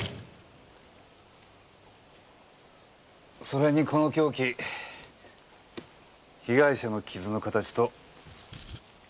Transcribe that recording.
それにこの凶器被害者の傷の形と。